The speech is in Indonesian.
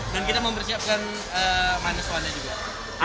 dan kita mempersiapkan maneswannya juga